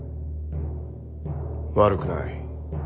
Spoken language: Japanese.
悪くない。